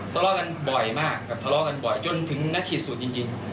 ทะเลาะกันบ่อยมากครับทะเลาะกันบ่อยจนถึงนักขีดสูตรจริง